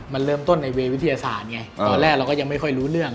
มันเริ่มต้นในเวย์วิทยาศาสตร์ไงตอนแรกเราก็ยังไม่ค่อยรู้เรื่อง